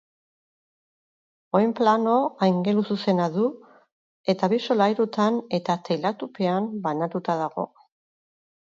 Oinplano angeluzuzena du eta bi solairutan eta teilatupean banatuta dago.